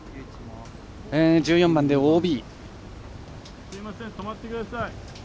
１４番でＯＢ。